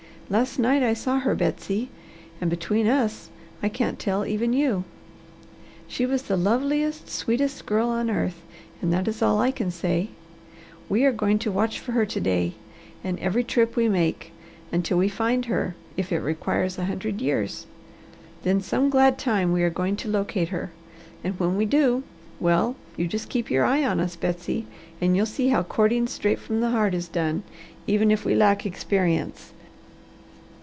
Last night I saw her, Betsy, and between us, I can't tell even you. She was the loveliest, sweetest girl on earth, and that is all I can say. We are going to watch for her to day, and every trip we make, until we find her, if it requires a hundred years. Then some glad time we are going to locate her, and when we do, well, you just keep your eye on us, Betsy, and you'll see how courting straight from the heart is done, even if we lack experience."